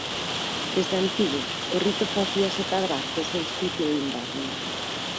Desde antigo, o rito facíase cadrar co solsticio de inverno.